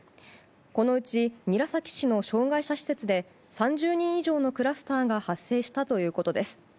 このうち、韮崎市の障害者施設で３０人以上のクラスターが発生したということです。